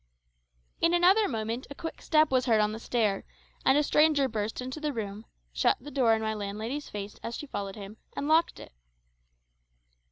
In another moment a quick step was heard on the stair, and a stranger burst into the room, shut the door in my landlady's face as she followed him, and locked it.